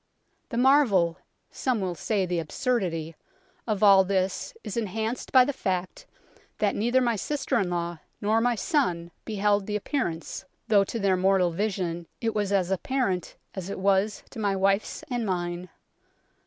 " The marvel some will say the absurdity of all this is enhanced by the fact that neither my sister in law nor my son beheld the ' appear ance,' though to their mortal vision it was as apparent as it was to my wife's and mine."